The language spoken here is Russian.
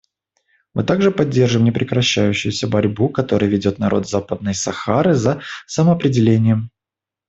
Мы также поддерживаем непрекращающуюся борьбу, которую ведет народ Западной Сахары за самоопределение.